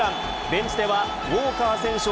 ベンチではウォーカー選手